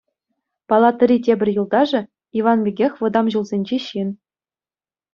Палатӑри тепӗр юлташӗ — Иван пекех вӑтам ҫулсенчи ҫын.